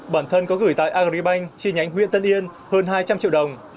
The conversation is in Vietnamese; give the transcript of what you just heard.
bản thân có gửi tài agribank chi nhánh nguyễn tân yên hơn hai trăm linh triệu đồng